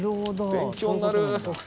勉強になる！